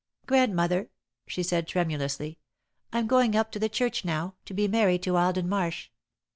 "Grandmother," she said, tremulously, "I'm going up to the church now, to be married to Alden Marsh.